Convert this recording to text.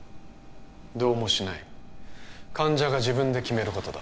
どうもしない患者が自分で決めることだ